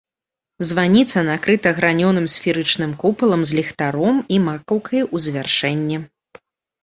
Званіца накрыта гранёным сферычным купалам з ліхтаром і макаўкай у завяршэнні.